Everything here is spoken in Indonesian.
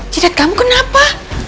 cidat kamu kenapa